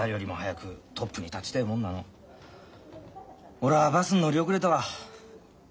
俺はバスに乗り遅れたわ。